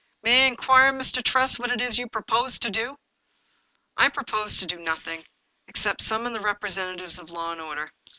May I inquire, Mr. Tress, what it is you propose to do ?"" I propose to do nothing, except summon the represent atives of law and order.